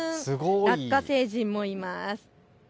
ラッカ星人もいます。